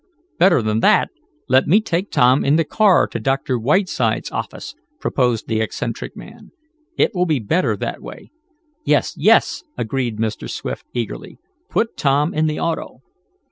"Better than that! Let me take Tom in the car to Dr. Whiteside's office," proposed the eccentric man. "It will be better that way." "Yes, yes," agreed Mr. Swift eagerly. "Put Tom in the auto!"